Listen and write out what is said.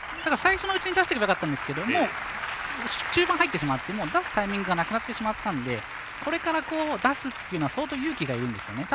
最初のうちに出してたらよかったんですが中盤入ってしまって出すタイミングがなくなってしまったのでこれから出すというのは相当勇気がいるんですね。